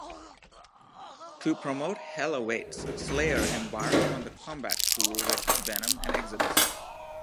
To promote "Hell Awaits", Slayer embarked on the Combat Tour with Venom and Exodus.